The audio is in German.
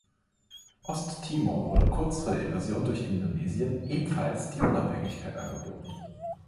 Ost-Timor wurde kurz vor der Invasion durch Indonesien ebenfalls die Unabhängigkeit angeboten.